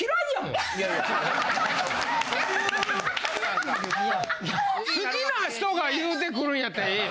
いや好きな人が言うてくるんやったらええよ。